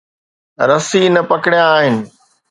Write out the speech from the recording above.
رسي نه پڪڙيا آهن.